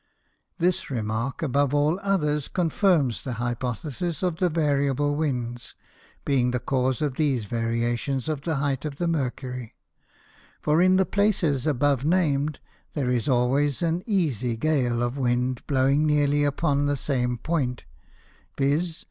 _ This Remark, above all others, confirms the Hypothesis of the variable Winds, being the cause of these Variations of the height of the Mercury; for in the Places above named, there is always an easie Gale of Wind blowing nearly upon the same Point, _viz.